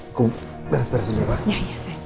aku beres beresin ya pak